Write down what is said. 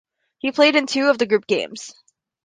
He played in two of the group games.